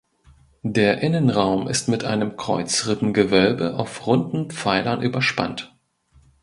Der Innenraum ist mit einem Kreuzrippengewölbe auf runden Pfeilern überspannt.